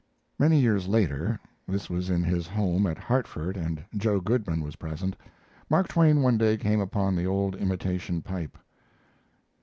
Many years later (this was in his home at Hartford, and Joe Goodman was present) Mark Twain one day came upon the old imitation pipe.